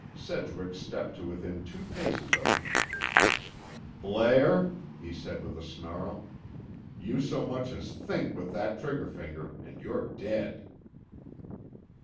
Sedgwick stepped to within two paces of him. "Blair," he said with a snarl, "you so much as think with that trigger finger, and you're dead!"